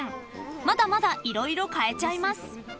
［まだまだ色々買えちゃいます］